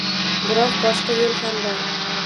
Biroq, boshqa yo‘l ham bor